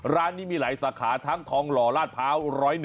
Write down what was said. ร้านนี้มีหลายสาขาทั้งทองหล่อลาดพร้าว๑๐๑